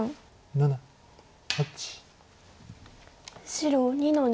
白２の二。